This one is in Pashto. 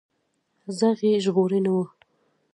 ږغ يې ژړغونى و.